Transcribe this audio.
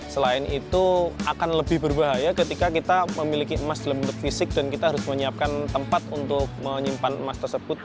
selain itu akan lebih berbahaya ketika kita memiliki emas dalam bentuk fisik dan kita harus menyiapkan tempat untuk menyimpan emas tersebut